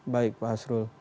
baik pak hasrul